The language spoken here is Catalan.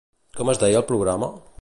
Com es deia el programa?